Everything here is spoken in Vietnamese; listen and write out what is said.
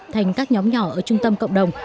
thành các nhóm nhỏ ở trung tâm cộng đồng